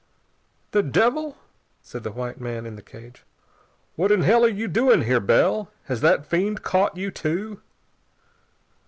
"The devil!" said the white man in the cage. "What in hell are you doing here, Bell? Has that fiend caught you too?"